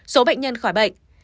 số bệnh nhân khỏi bệnh